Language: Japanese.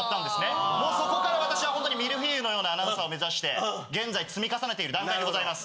もうそこから私はホントにミルフィーユのようなアナウンサーを目指して現在積み重ねている段階でございます。